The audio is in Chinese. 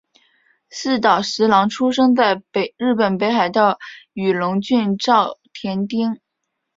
寺岛实郎出生于日本北海道雨龙郡沼田町。